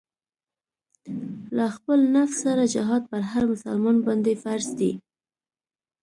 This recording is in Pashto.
له خپل نفس سره جهاد پر هر مسلمان باندې فرض دی.